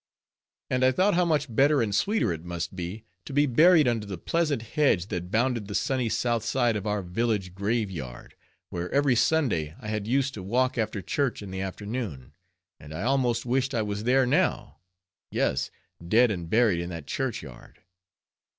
And I thought how much better and sweeter it must be, to be buried under the pleasant hedge that bounded the sunny south side of our village grave yard, where every Sunday I had used to walk after church in the afternoon; and I almost wished I was there now; yes, dead and buried in that churchyard.